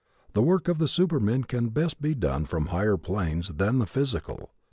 The work of the supermen can best be done from higher planes than the physical.